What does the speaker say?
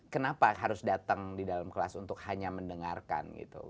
kenapa harus datang di dalam kelas untuk hanya mendengarkan gitu